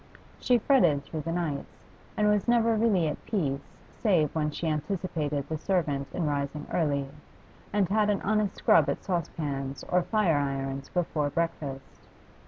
She fretted through the nights, and was never really at peace save when she anticipated the servant in rising early, and had an honest scrub at saucepans or fireirons before breakfast.